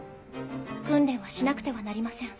訓練はしなくてはなりません。